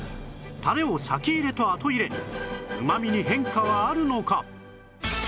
タレを先入れと後入れ旨味に変化はあるのか？